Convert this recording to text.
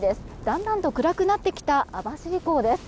だんだんと暗くなってきた網走港です。